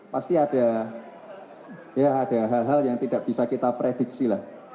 pasti ada ya ada hal hal yang tidak bisa kita prediksi lah